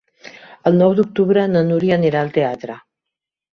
El nou d'octubre na Núria anirà al teatre.